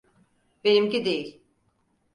Benimki değil.